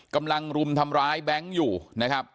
รุมทำร้ายแบงค์อยู่นะครับ